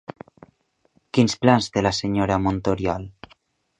Quins plans té la senyora Montoriol?